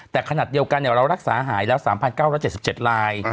แต่ขณะเดียวกันเรารักษาหายแล้ว๓๙๗๗ราย